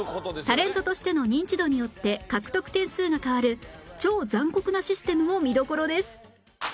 タレントとしてのニンチドによって獲得点数が変わる超残酷なシステムも見どころです！